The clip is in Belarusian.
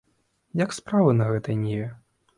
Як справы на гэтай ніве?